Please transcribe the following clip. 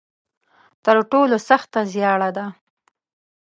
تر ټولو سخته زیاړه ده.